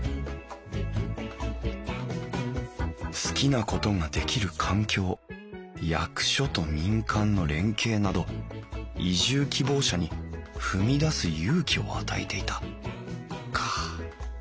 好きなことができる環境役所と民間の連携など移住希望者に踏み出す勇気を与えていたか。